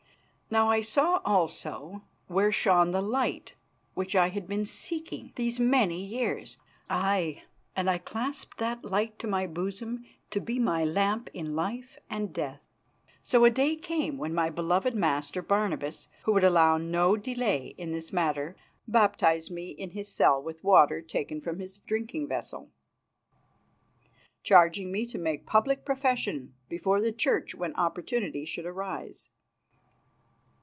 Now I saw also where shone the light which I had been seeking these many years. Aye, and I clasped that light to my bosom to be my lamp in life and death. So a day came when my beloved master, Barnabas, who would allow no delay in this matter, baptised me in his cell with water taken from his drinking vessel, charging me to make public profession before the Church when opportunity should arise.